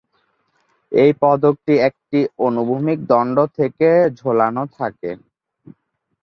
এই পদকটি একটি অনুভূমিক দন্ড থেকে ঝোলানো থাকে।